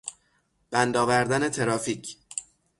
بند آوردن ترافیک